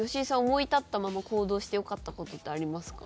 思い立ったまま行動してよかった事ってありますか？